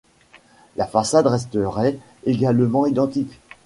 La façade resterait également identique.